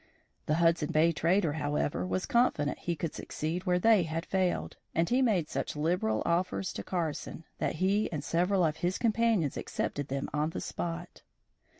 The Hudson Bay trader, however, was confident he could succeed where they had failed, and he made such liberal offers to Carson that he and several of his companions accepted them on the spot.